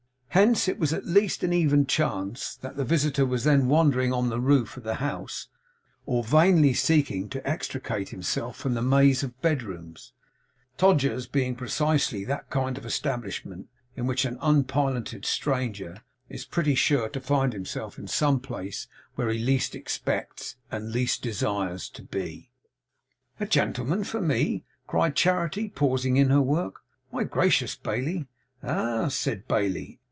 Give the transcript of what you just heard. Hence it was at least an even chance that the visitor was then wandering on the roof of the house, or vainly seeking to extricate himself from the maze of bedrooms; Todgers's being precisely that kind of establishment in which an unpiloted stranger is pretty sure to find himself in some place where he least expects and least desires to be. 'A gentleman for me!' cried Charity, pausing in her work; 'my gracious, Bailey!' 'Ah!' said Bailey.